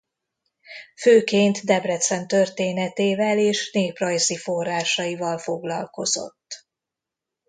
Főként Debrecen történetével és néprajzi forrásaival foglalkozott.